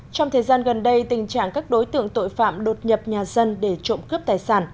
trong thời gian gần đây tình trạng các đối tượng tội phạm đột nhập nhà dân để trộm cướp tài sản